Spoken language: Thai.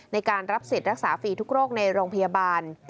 ในการรับสิทธิ์รักษาฟรีทุกโรคในโรงพยาบาล